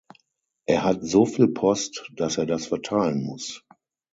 Er hat so viel Post, dass er das verteilen muss.